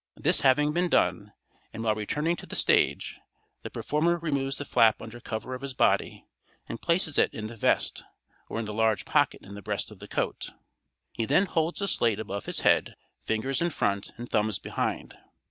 This having been done, and while returning to the stage, the performer removes the flap under cover of his body and places it in the vest, or in the large pocket in the breast of the coat. He then holds the slate above his head, fingers in front and thumbs behind.